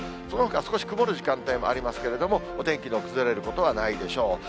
そのほか、少し曇る時間帯もありますけれども、お天気の崩れることはないでしょう。